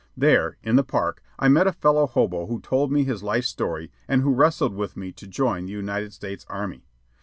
There, in the park, I met a fellow hobo who told me his life story and who wrestled with me to join the United States Army.